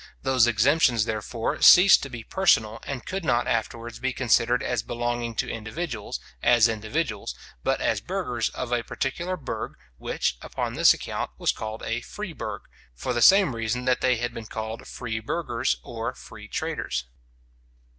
Those exemptions, therefore, ceased to be personal, and could not afterwards be considered as belonging to individuals, as individuals, but as burghers of a particular burgh, which, upon this account, was called a free burgh, for the same reason that they had been called free burghers or free traders.